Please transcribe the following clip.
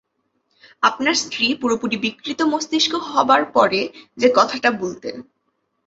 আপনার স্ত্রী পুরোপুরি বিকৃত মস্তিষ্ক হবার পরে যে-কথাটা বুলতেন।